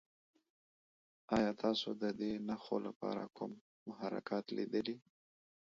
ایا تاسو د دې نښو لپاره کوم محرکات لیدلي؟